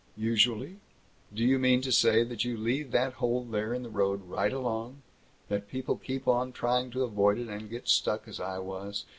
"Usually? Do you mean to say that you leave that hole there in the road right along that people keep on trying to avoid it and get stuck as I was?